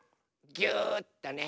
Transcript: ぎゅっとね。